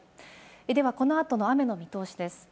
ではこの後の雨の見通しです。